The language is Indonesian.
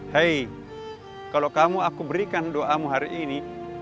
hei kalau kamu aku berikan doamu hari ini